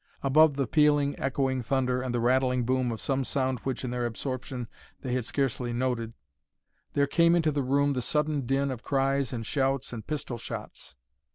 Above the pealing, echoing thunder and the rattling boom of some sound which in their absorption they had scarcely noted, there came into the room the sudden din of cries and shouts and pistol shots.